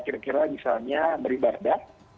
kira kira misalnya beribadah